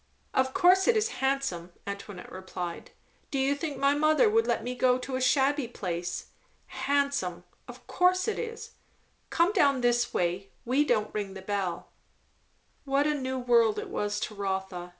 "Of course it is handsome," Antoinette replied. "Do you think my mother would let me go to a shabby place. Handsome! of course it is. Come down this way; we don't ring the bell." What a new world it was to Rotha!